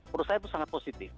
menurut saya itu sangat positif